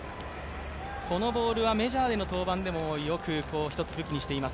このボールはメジャーでの登板でもよく１つ、武器にしています。